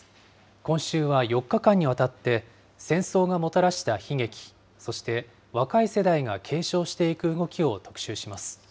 今週は４日間にわたって、戦争がもたらした悲劇、そして若い世代が継承していく動きを特集します。